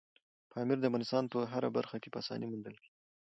پامیر د افغانستان په هره برخه کې په اسانۍ موندل کېږي.